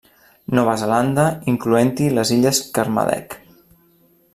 Nova Zelanda, incloent-hi les Illes Kermadec.